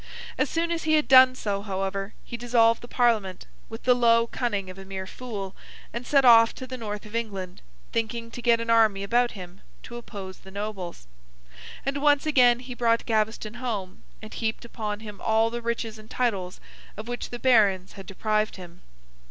As soon as he had done so, however, he dissolved the Parliament, with the low cunning of a mere fool, and set off to the North of England, thinking to get an army about him to oppose the Nobles. And once again he brought Gaveston home, and heaped upon him all the riches and titles of which the Barons had deprived him.